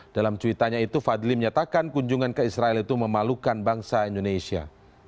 dalam cuitannya itu fadli menyatakan kunjungan ke israel itu memalukan bangsa indonesia